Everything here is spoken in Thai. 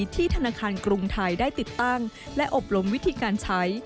ธนาคารกรุงไทยได้ติดตั้งและอบรมวิธีการใช้